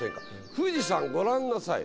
富士山ご覧なさい。